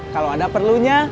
kalau ada perlunya